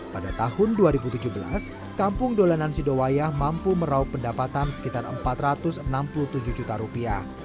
pada tahun dua ribu tujuh belas kampung dolanan sidowayah mampu meraup pendapatan sekitar empat ratus enam puluh tujuh juta rupiah